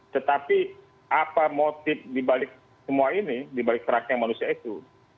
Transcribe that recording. tetapi apa motif dibalik semua ini dibalik terangnya manusia itu